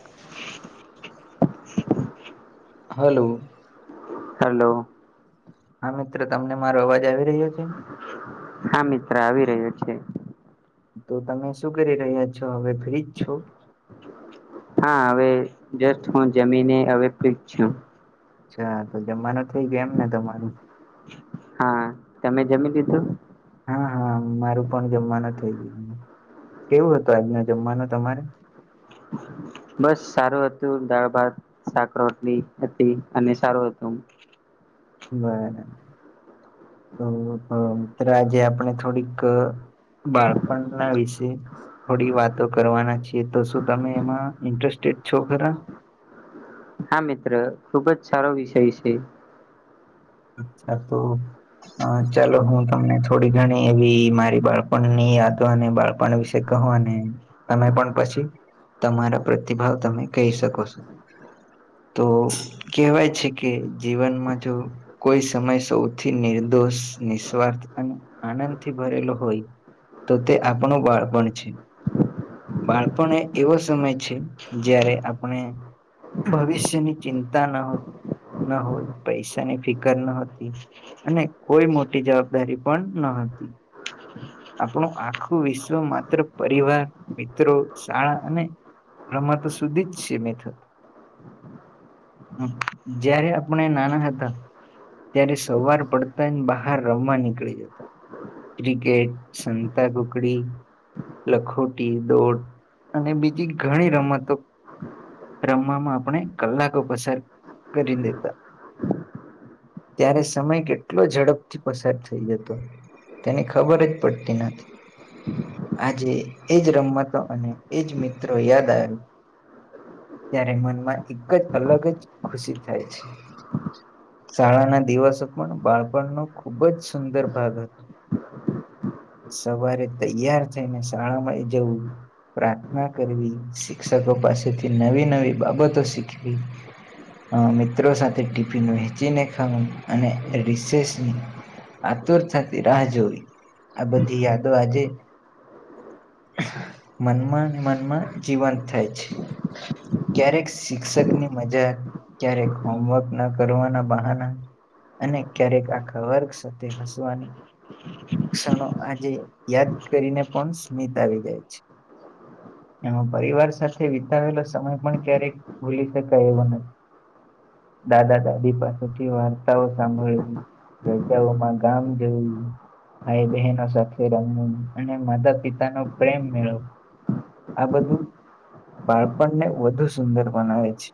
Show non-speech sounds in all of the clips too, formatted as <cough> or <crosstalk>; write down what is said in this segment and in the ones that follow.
<inaudible> Hello. Hello. હા મિત્ર તમને મારો અવાજ આવી રહ્યો છે. હા મિત્ર આવી રહ્યો છે. તો તમે શું કરી રહ્યા છો હવે ફ્રીજ છો. હા હવે જસ્ટ હું જમીને હવે ફ્રીજ છું. અચ્છા તો જમાનું થઈ ગયો એમ ને તમારું. હા તમે જમી લિધું. હા હા મારું પણ જમવાનું થઇ ગયું કેવું હતું આજનો જમવાનો તમારે. બસ સારું હતું દાળ ભાત. શાક રોટલી હતી અને સારું હતું. બરાબર તો મ મિત્ર આજે આપણે થોડીક. બાળપણના વિશે. થોડી વાતો કરવાના છીએ તો શું તમે એમાં ઇન્ટરેસ્ટેડ છો ખરા. હા મિત્ર ખુબજ સારો વિષય છે. અચ્છા તો. હ ચાલો હું તમને થોડી ગણી એવી મારી બાળપણ ની યાદો અને બાળપણ. પણ વિશે કહો અને તમે પણ પછી. તમારા પ્રતિભાવ તમે કહી શકો છો. તો કહેવાય છે કે જીવનમાંજો. કોઈ સમય સૌથી નિર્દોષ નિસ્વાર્થ અને આનંદથી ભરેલો હોય. તો તે આપણો બાળપણ છે. બાળપણ એવો સમય છે જયારે આપણે. ભવિષ્યની ચિંતા ન ન હોય પૈસાની. ફિકર ન હતી અને કોઈ મોટી જવાબદારી પણ ન હતી. આપણું આખું વિશ્વ માત્ર પરિવાર મિત્રો શાળા અને. રમાતો સુધીજ છે મેથત. જયારે આપણે નાના હતા. ત્યારે સવાર પડતા બહાર રમવા નીકળી જતા. ક્રિકેટ સંતા કુકડી. લખોટી દોડ અને બીજી ઘણી રમતો. રમવામાં આપણે કલાકો પસાર કરી દેતા. ત્યારે સમય કેટલો ઝડપથી પસાર થઈ જતો. તેની ખબર જ પડતી નથી. આજે એજ રમતો અને એજ મિત્રો યાદ આવે. ત્યારે મનમાં એક જ અલગ જ ખુશી થાય છે. શાળાના દિવસો પણ બાળપણનો ખુબ જ સુંદર ભાગ હતો. સવારે તૈયાર થઈ ને શાળા માં જવું. પ્રાર્થના કરવી શિક્ષકો પાસેથી નવી નવી બાબતો શીખવી મિત્રો સાથે ટિફિન વહેચ ચીને ખાવું અને રિસેસની આતુરતાતી રાહ જોવી આ બધી યાદ આજે મનમાં મનમાં જીવંત થાય છે. ક્યારેક શિક્ષક ની મજા ક્યારેક હોમવર્ક ના કરવાના અને ક્યારેક આખા વર્ગ છે તે હસવાની શિષણો આજે યાદ કરીને પણ સ્મિત આવી જાય છે. એમાં પરિવાર સાથે વિતાવેલો સમય પણ ક્યારેક ભૂલી શકાય એવું નથી દાદા દાદી પણ વાર્તાઓ સાંભળવી રાજાઓમાં ગામ જેવું ભાઈ બહેનો સાથે રમવું અને માતા પિતા નો પ્રેમ મેળવો આ બધું બાળપણને વધુ સુંદર બનાવે છે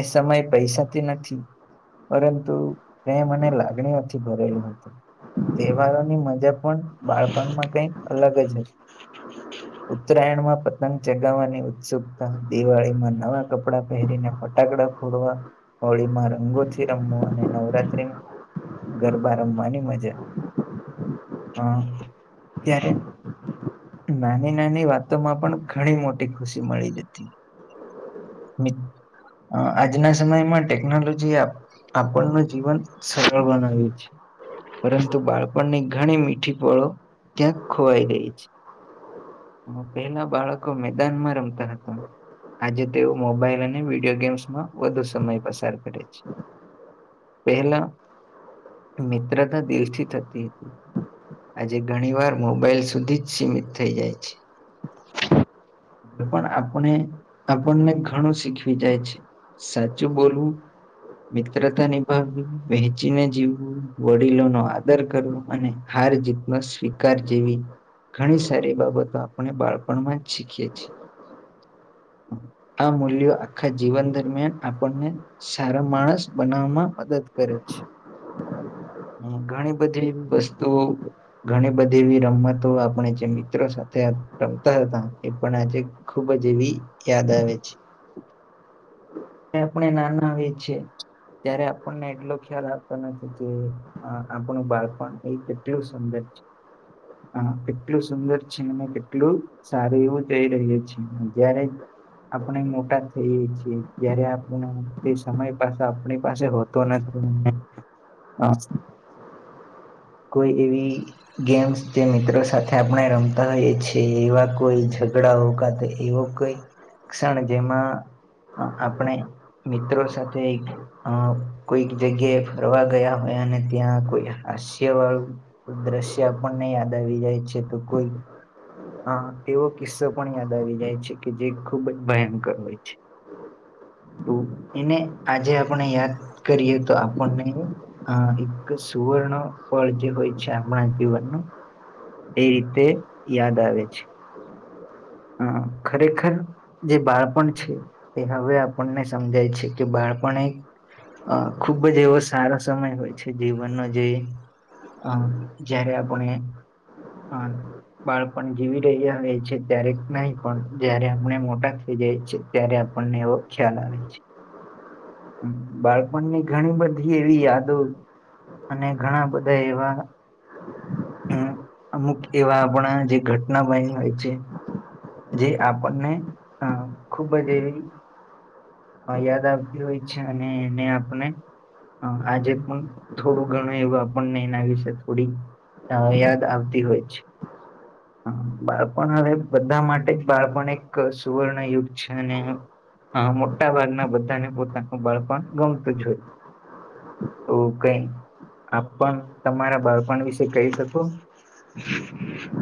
એ સમયે પૈસાથી નથી. પરંતુ એ મને લાગણીઓથી ભરેલું હતું. તહેવારોની મજા પણ બાળપણમાં કઈ અલગ જ હ <unintelligible> ઉત્તરાયણ માં પતંગ ચગાવવાની ઉત્સુકતા દિવાળીમાં નવા કપડાં પહેરીને ફટાકડા થોડવા હોળી માર અંગોથી રમવો અને નવરાત્રી ગરબા રમવાની મજા હા ત્યારે નાની નાની વાતોમાં પણ ઘણી મોટી ખુશી મળી જતી આજના સમયમાં ટેકનોલોજી જે આપણ ન જીવન સરળ બનાવી્યુંએ છેએ પરંતુ બાળપણની ઘણી મીઠી પળો ત્યાં ખોવાઈ ગઈ છે પેલા બાળકો મેદાનમાં રમતા હતા આજે તેઓ મોબાઈલ અને વિડીિયો ગેમ્સમાં વધુ સમય પસાર કરે છે પહેલા મિત્રતા દિલથી થતી હતી આજે ઘણી વાર મોબાઈલ સુધી જ સીમિત થઈ જાય છે પણ આપણે આપણને ઘણું શીખવી જાય છે સાચું બોલવું મિત્રતા નિભાવવી વહેચીને જીવવું વડીલો નો આદર કરવો અને હાર જીતમાં સ્વીકાર જેવી ઘણી સારી બાબતો આપણે બાળપણમાં જ શીખીએ છીએ. આ મૂલ્યો આખા જીવન દરમિયાન આપણને સારો માણસ બનાવવામાં મદદ કરે છે ઘણી બધી વસ્તુ ઘણી બધી એવી રમતો આપણે જે મિત્રો સાથે રમતા હતા એ પણ આજે ખૂબ જ એવી યાદ આવે છે આપણે નાના એ છે ત્યારે આપણને એટલો ખ્યાલ આવતો નથી કે આપણું બાળપણ એ કેટલું સુંદર છે હા કેટલું સુંદર છેન કેટલું સારું એવું થઈ રહ્યું છે અત્યારે આપણે મોટા થઈએ છીએ જયારે આપણે સમય પાછ આપણી પાસે હોતો નથી હ કોઈ એવી ગેમ્સ જે મિત્રો સાથે આપણે રમતા હોઈએ છીએ એવા કોઈ ઝઘડાઓ કા તો એવો ઈ ક્ષણ જેમાં આપણે મિત્રો સાથે એક અ કોઈક જગ્યાએ ફરવા ગયા હોય અને ત્યાં કોઈ હાસ્ય વાળું દ્રશ્ય આપણને યાદ આવી જાય છે, તો કોઈ હા એવો કિસ્સો પણ યાદ આવી જાય છે, કે જે ખુબ જ ભયંકર હોય છે. તો એને આજે આપણે યાદ કરીએ તો આપણને હા એક સુવર્ણ પળ જે હોય છે, આપણાં જીવનનું એ રીતે યાદ આવે છે. હા ખરેખર જે બાળપણ છે, તે હવે આપણને સમજાય છે, કે બાળપણ એ અ ખુબ જ એવો સારો સમય હોય છે, જીવનનો જે અ જયારે આપણે અ બાળપણ જીવી રહ્યા આવે છે. ક્યારેક નહી પણ જયારે આપણે મોટા થઈ જાય છે, ત્યારે આપણને એવો ખ્યાલ આવે છે. બાળપણની ઘણી બધી એવી યાદો અને ઘણા બધા એવા હમ્મ અમુક એવા આપણા જે ઘટના બયની હોય છે. જે આપણને અ ખુબ જ એવી યાદ આપતી હોય છે, અને એને આપણે હા આજે પણ થોડું ઘણું એવું આપણને એના વિશે થોડી યાદ આવતી હોય છે. બાળપણ હવે બધા માટે જ બાળપણ એક સુવર્ણ યુગ છે, અને હા મોટા ભાગના બધાને પોતાનું બાળપણ ગમતું જ હોય તો કઈ આપ પણ તમારા બાળપણ વિશે કહી શકો?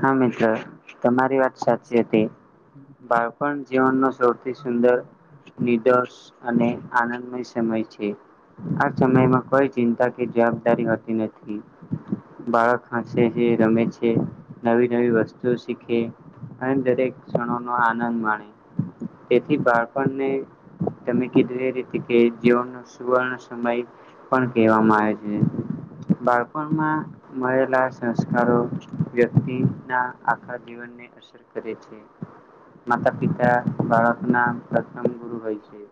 હા મિત્ર તમારી વાત સાચી હતી બાળપણ જીવનનો સૌથી સુંદર, નીડરસ અને આનંદમય સમય છે. આ સમયમાં કોઈ ચિંતા કે જવાબદારી હતી નથી. બાળક હસે છે, રમે છે. નવી નવી વસ્તુ શીખે અને દરેક ક્ષણોનો આનંદ માણે તેથી બાળપણને તમે કીધું એ રીતે કે જીવન નું સુવર્ણ સમય પણ કહેવામાં આવે છે. બાળપણમાં મળેલા સંસ્કારો વ્યક્તિના આખા જીવનને અસર કરે છે. માતા પિતા બાળકના પ્રથમ ગુરુ હોય છે.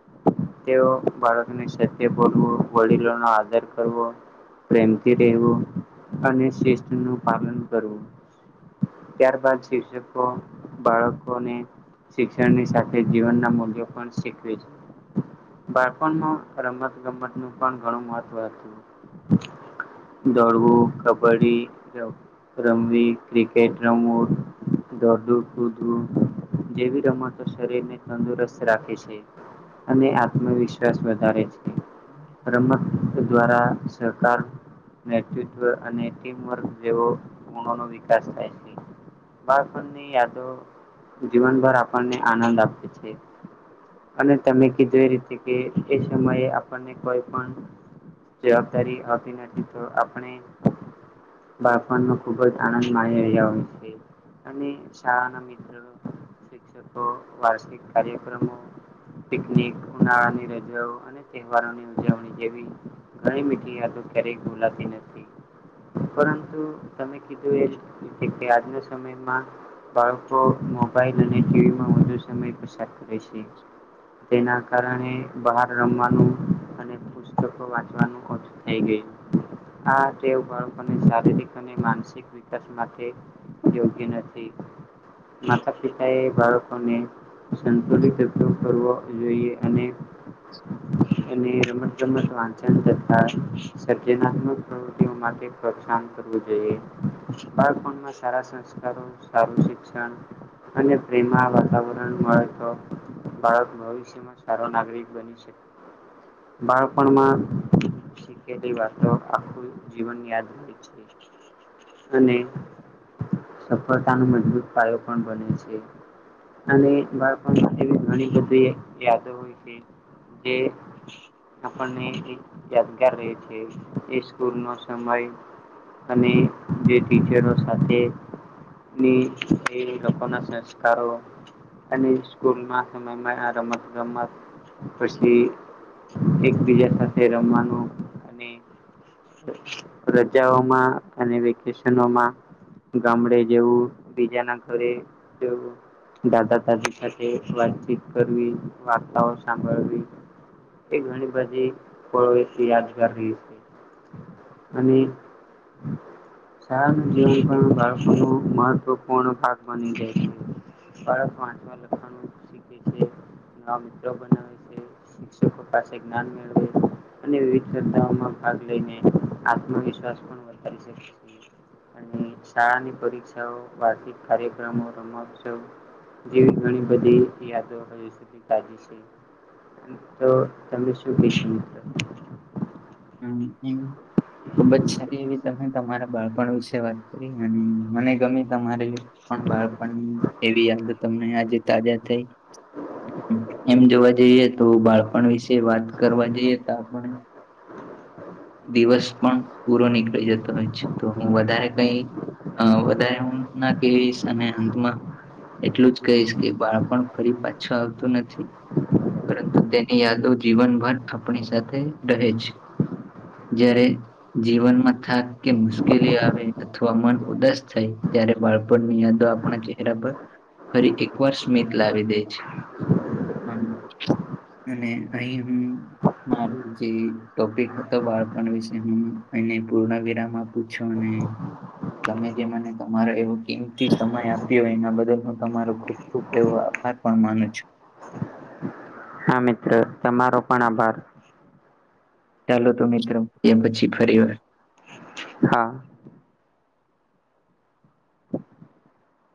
તેઓ બાળકને સત્ય બોલવું, વડીલો નો આદર કરવો પ્રેમથી રેવું અને શિસતનું પાલન કરવું ત્યારબાદ શિક્ષકો બાળકોને શિક્ષણની સાથે જીવનના મૂલ્યો પણ શીખવે છે. બાળપણમાં રમત ગમત નું પણ ઘણું મહત્વ હતું. દોડવું, કબડ્ડી ર રમવી ક્રિકેટ રમવુ દોડુ કુદવું જેવી રમતો શરીરને તંદુરસ્ત રાખે છે. અને આત્મવિશ્વાસ વધારે છે. રમત દ્વારા સરકાર નેતૃત્વ અને ટીમવર્ક જેવો ગુણોનો વિકાસ થાય છે. બાળપણની યાદો જીવનભર આપણને આનંદ આપે છે. અને તમે કીધું એ રીતે કે એ સમયે આપણને કોઈ પણ જવાબદારી હોતી નથી, તો આપણે બાનમાં ખુબ જ આનંદ માળી રહ્યા છે, અને શાળાના મિત્ર શિક્ષકો વાર્ષિક કાર્યક્રમો પિકનિક ઉનાળાની રજાઓ તહેવારોની ઉજવણી જેવી ઘણી મીઠી યાદો ક્યારેય ભુલાતી નથી પરંતુ તમે કીધું એજ કે આજના સમયમાં બાળકો મોબાઈલ અને ટીવીમાં વધુ સમય પસાર કરે છે. તેના કારણે બહાર રમવાનું અને પસ્તકો વાંચવાનું ઓછુ થઈ ગયું આ તે બાળકોને શારીરિક અને માનસિક વિકાસ માટે યોગ્ય નથી. માતાપિતાએ બાળકોને સંતુલિત કરવો જોઈએ અને <inaudible> અને રમતગમત વાંચન તથા સર્જનાત્મક પ્રવૃતિઓ માટે પ્રોત્સાહન કરવું જોઈએ. બાળકો પણમાં સારા સંસ્કારો અને સારું શિક્ષણ અને પ્રેમ વાતાવરણ મળે તો બાળક ભવિષ્ય બાળપણ મા શીખેલી વાતો આખું જીવન ની આધારિત છે. અને સફળતાનો મજબૂત પાયો પણ બને છે. અને બાળપણમાં એવી ઘણી બધી યાદો હોય છે જે આપણને યાદગાર રહે છે એ સ્કૂલ નો સમય અને જે ટીચરો સાથે એ દખન છે લોકો ના સહકારો અને સ્કૂલ ના સમયમાં રમત ગમત પછી એકબીજા સાથે રમવાનું અને રજાઓમાં અને વેકેશનોમાં ગામડે જવું બીજાના ઘરે જવું દાદા દાદી સાથે વાતચીત કરવી, વાર્તાઓ સાંભળવી, એ ઘણી બધી પળો યાદગાર રહી છે અને <inaudible> પણ બાળકો નો મહત્વપૂર્ણ ભાગ બને છે બાળક વાંચવા લખવાનું શીખે છે નવા મિત્રો બનાવે છે શિક્ષકો પાસે જ્ઞાન મેળવે અને વિવિધ સ્પર્ધાઓમાં ભાગ લઈને આત્મવિશ્વાસ પણ વધારી શકે છે. અને શાળાની પરીક્ષાઓ વાર્ષિક કાર્યક્રમો રમોત્સવ જેવી ઘણી બધી યાદો હજી સુધી તાજી છે. તો તમે શું કહેશ મિત્રો? હમ હમ ખુબ જ સારી એવી તમે તમારા બાળપણ વિશે વાત કરી અને મને ગમે તમારી પણ બાળપણ એવી યાદ તમને આજે તાજા થઈ એમ જોવા જઈએ તો બાળપણ વિશે વાત કરવા જઈએ તો આપણે. દિવસ પણ પૂરો નીકળી જતો હોય છે તો હું વધારે કઈ અ વધારે હું ના કેશ અને અંતમાં એટલું જ કહીશ કે બાળપણ ફરી પાછું આવતું નથી. પરંતુ તેની યાદો જીવનભર આપણી સાથે રહે છે. જયારે જીવનમાં થાક કે મુશ્કેલી આવે અથવા મન ઉદાસ થાય ત્યારે બાળપણની યાદો આપણા ચહેરા પર ફરી એકવાર સ્મિત લાવી દે છે. અને અહી હું મારું જે ટોપિક હતું. તો બાળપણ વિશે હું એને પૂર્ણ વિરામ આપુ છુ અને તમે જે મને તમારો એવો કિંમતી સમય આપ્યો એના બદલ હું તમારો ખુબ ખુબ એવો આભાર પણ માનું છુ હા મિત્ર તમારો પણ આભાર ચાલો તો મિત્રો એમ પછી ફરી વાર હા